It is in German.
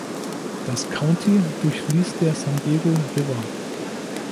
Das County durchfließt der San Diego River.